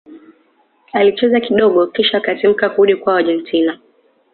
alicheza kidogo kisha akatimka kurudi kwao argentina